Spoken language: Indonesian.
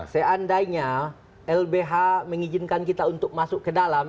seandainya lbh mengizinkan kita untuk masuk ke dalam